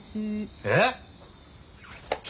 えっ！？